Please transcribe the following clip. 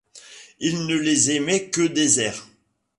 Il ne les aimait que déserts.